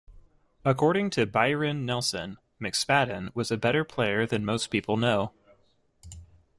According to Byron Nelson, McSpaden was "a better player than most people know".